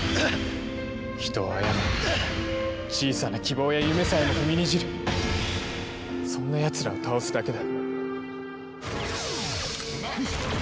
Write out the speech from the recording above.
人をあやめ小さな希望や夢さえも踏みにじるそんなやつらを倒すだけだ。